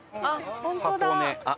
本当だ！